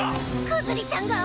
クズリちゃんが！